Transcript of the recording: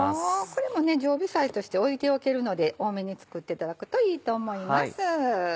これも常備菜として置いておけるので多めに作っていただくといいと思います。